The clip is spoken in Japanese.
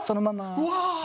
うわ。